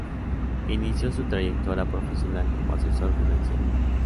Inició su trayectoria profesional como asesor financiero.